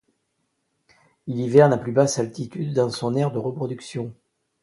Il hiverne à plus basse altitude dans son aire de reproduction.